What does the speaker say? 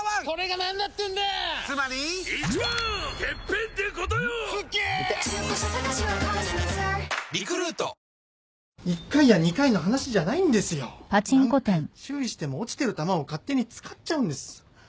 何回注意しても落ちてる玉を勝手に使っちゃうんです。